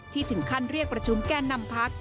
ถึงขั้นเรียกประชุมแก่นำพัก